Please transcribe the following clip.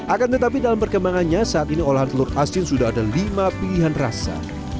akan tetapi dalam perkembangannya saat ini olahan telur asin sudah ada lima pilihan rasa